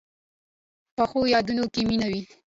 پخو یادونو کې مینه وي